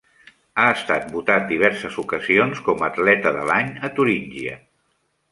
Ha estat votat diverses ocasions com atleta de l'any a Turíngia.